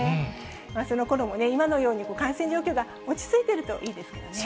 そのころも今のように感染状況が落ち着いているといいですけどね。